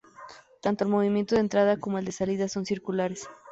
Tanto el movimiento de entrada como el de salida son circulares.